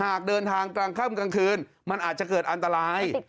หากเดินทางกลางค่ำกลางคืนมันอาจจะเกิดอันตราย